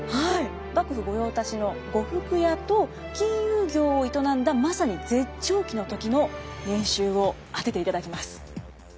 幕府御用達の呉服屋と金融業を営んだまさに絶頂期の時の年収を当てていただきます。